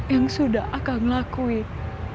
yang sudah akang lakuin